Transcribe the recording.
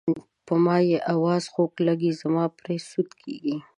په ما یې اواز خوږ لګي زما پرې سود کیږي.